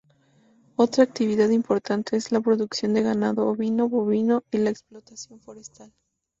Otra actividad importante es la producción de ganado ovino, bovino y la explotación forestal.